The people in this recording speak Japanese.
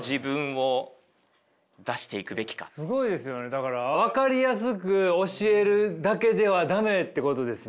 だから分かりやすく教えるだけでは駄目ってことですね。